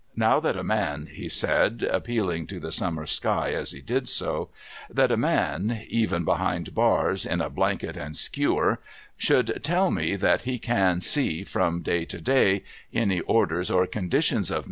' Now, that a man,' he said, appealing to the summer sky as he did so, ' that a man — even behind bars, in a blanket and skewer — should tell me that he can see, from day to day, any orders or conditions of m.